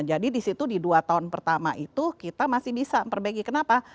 jadi di situ di dua tahun pertama itu kita masih bisa memperbaiki kenapa